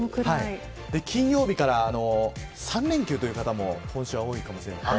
金曜日から３連休という方も今週は多いかもしれません。